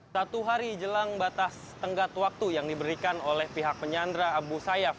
satu hari jelang batas tenggat waktu yang diberikan oleh pihak penyandra abu sayyaf